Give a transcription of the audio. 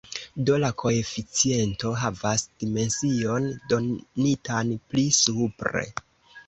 Do la koeficiento havas dimension donitan pli supre.